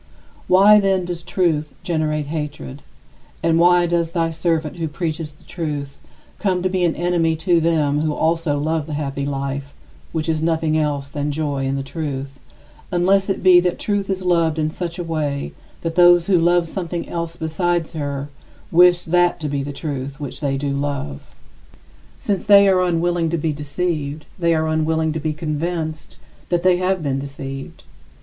34. Why, then, does truth generate hatred, and why does thy servant who preaches the truth come to be an enemy to them who also love the happy life, which is nothing else than joy in the truth unless it be that truth is loved in such a way that those who love something else besides her wish that to be the truth which they do love. Since they are unwilling to be deceived, they are unwilling to be convinced that they have been deceived.